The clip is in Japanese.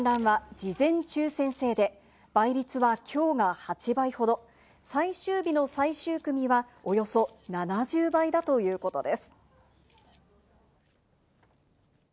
観覧は事前抽選制で、倍率は今日が８倍ほど、最終日の最終組はおよそ７０倍だということです。